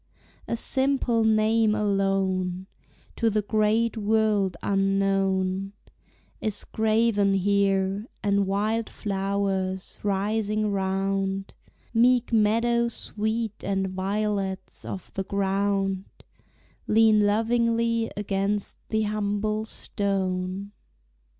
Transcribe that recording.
A simple name alone, To the great world unknown, Is graven here, and wild flowers, rising round, Meek meadow sweet and violets of the ground, Lean lovingly against the humble stone.